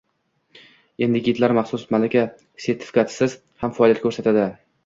Endi gidlar maxsus malaka sertifikatisiz ham faoliyat ko‘rsatadi